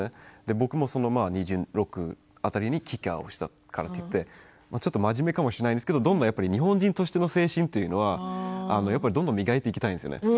僕も２６辺りに帰化をしてちょっと真面目かもしれないですけれどもどんどん日本人としての精神というのは、どんどん磨いていきたいんですよね。